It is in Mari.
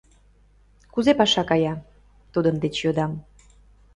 — Кузе паша кая? — тудын деч йодам.